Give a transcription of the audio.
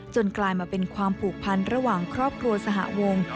กลายมาเป็นความผูกพันระหว่างครอบครัวสหวง